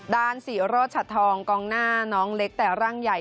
ศรีโรชัดทองกองหน้าน้องเล็กแต่ร่างใหญ่